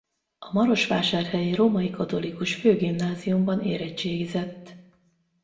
A marosvásárhelyi Római Katolikus Főgimnáziumban érettségizett.